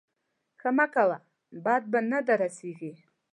ښه مه کوه بد به نه در رسېږي.